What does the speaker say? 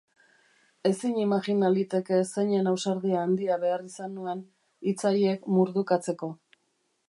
Ezin imajina liteke zeinen ausardia handia behar izan nuen hitz haiek murdukatzeko.